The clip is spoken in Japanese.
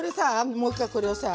もう一回これをさ。